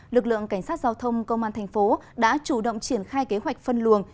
lực lượng cảnh sát giao thông công an thành phố đã chủ động triển khai kế hoạch phân luồng